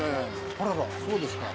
あららそうですか。